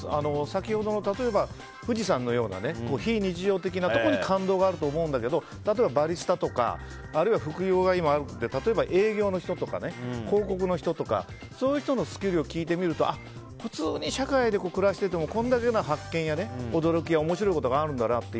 先ほどの富士山のような非日常的なところに感動があると思うんだけど例えばバリスタとかあるいは今、副業が多くて営業の人とか広告の人とかそういう人のスキルを聞くとあ、普通に社会で暮らしていてもこれだけの発見や驚きや面白いことがあるんだなと。